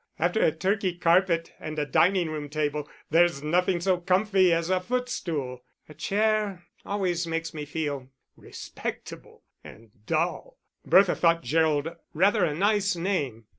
After a Turkey carpet and a dining room table, there's nothing so comfy as a footstool. A chair always makes me feel respectable and dull." Bertha thought Gerald rather a nice name.